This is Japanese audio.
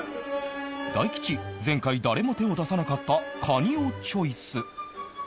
大吉前回誰も手を出さなかったカニをチョイス